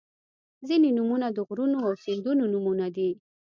• ځینې نومونه د غرونو او سیندونو نومونه دي.